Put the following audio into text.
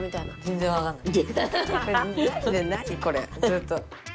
ずっと。